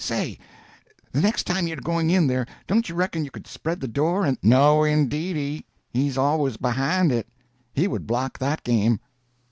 Say—the next time you're going in there, don't you reckon you could spread the door and—" "No, indeedy! He's always behind it. He would block that game."